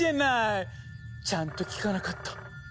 ちゃんと聞かなかった。